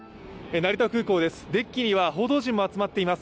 成田空港です。